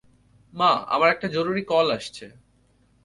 মা, আমার একটা জরুরী কল আসছে।